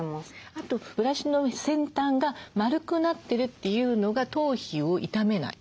あとブラシの先端が丸くなってるというのが頭皮を傷めない。